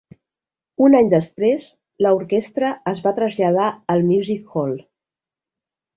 Un any després, l'orquestra es va traslladar al Music Hall.